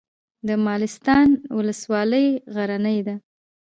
د مالستان ولسوالۍ غرنۍ ده